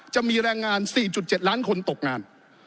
จะมีแรงงาน๔๗ล้านคนตกงาน